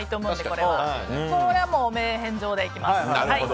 これはもう汚名返上でいきます。